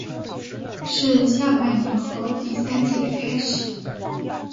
是下半年和第三季的开始。